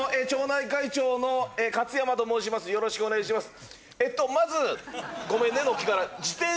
よろしくお願いします。